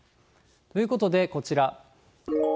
ということで、こちら。